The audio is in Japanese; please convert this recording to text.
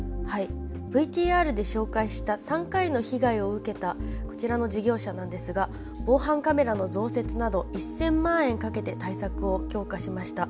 ＶＴＲで紹介した３回の被害を受けたこちらの事業者なんですが防犯カメラの増設など１０００万円かけて対策を強化しました。